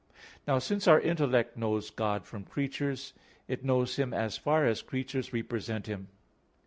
Now since our intellect knows God from creatures, it knows Him as far as creatures represent Him.